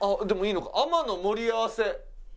でもいいのか海女の盛り合わせ。